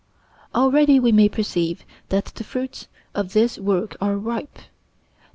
Already we may perceive that the fruits of this work are ripe. Though M.